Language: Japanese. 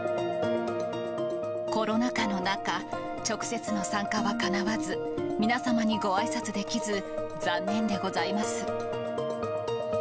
コロナ禍の中、直接の参加はかなわず、皆様にごあいさつできず、残念でございます。